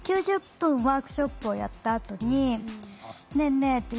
９０分ワークショップをやったあとに「ねえねえ